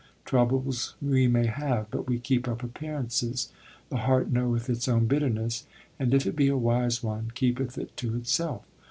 Troubles we may have; but we keep up appearances. The heart knoweth its own bitterness, and if it be a wise one, keepeth it to itself.